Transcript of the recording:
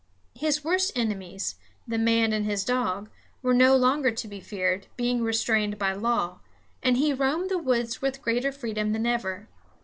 His worst enemies, the man and his dog, were no longer to be feared, being restrained by law, and he roamed the woods with greater freedom than ever.